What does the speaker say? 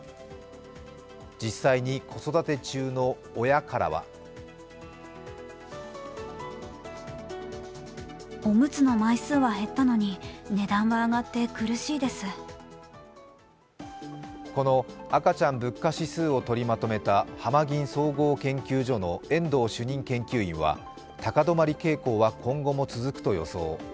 実際に子育て中の親からはこの赤ちゃん物価指数を取りまとめた浜銀総合研究所の遠藤主任研究員は高止まり傾向は今後も続くと予想。